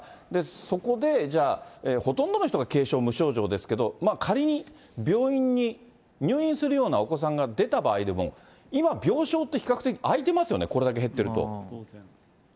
そこでじゃあ、ほとんどの人が軽症、無症状ですけれども、まあ仮に、病院に入院するようなお子さんが出た場合でも、今、病床って比較的空いてますよね、これだけ減ってると。